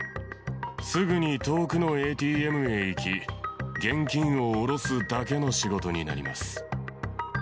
すぐに遠くのＡＴＭに行き、現金を下ろすだけの仕事になります。